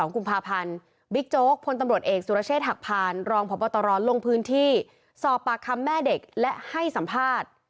กุมภาพันธ์บิ๊กโจ๊กพลตำรวจเอกสุรเชษฐหักพานรองพบตรลงพื้นที่สอบปากคำแม่เด็กและให้สัมภาษณ์